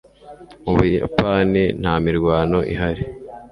Ubuyapani nta mirwano ihari